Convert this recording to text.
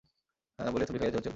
বলিয়া চুবড়ি লইয়া চলিয়া গেল।